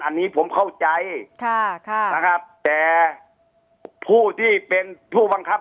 อันนี้ผมเข้าใจค่ะนะครับแต่ผู้ที่เป็นผู้บังคับ